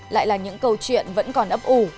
lại là những câu chuyện vẫn còn ấp ủ